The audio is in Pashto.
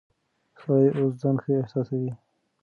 سړی اوس ځان ښه احساسوي.